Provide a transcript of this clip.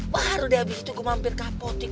baru deh abis itu gue mampir ke apotik